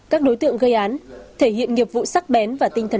các đối tượng gây án thể hiện nghiệp vụ sắc bén